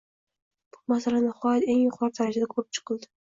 Bu masala nihoyat eng yuqori darajada ko'rib chiqildi